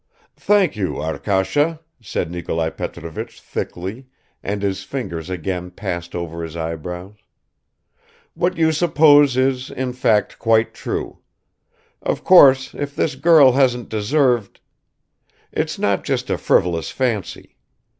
"Thank you, Arkasha," said Nikolai Petrovich thickly, and his fingers again passed over his eyebrows. "What you suppose is in fact quite true. Of course if this girl hadn't deserved ... it's not just a frivolous fancy.